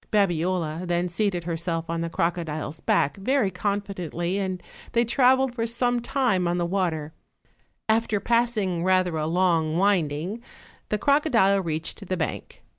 Babiola then seated herself on the crocodile's back very confidently, and they traveled for some time on the water: after passing rather a long winding, the crocodile reached the bank.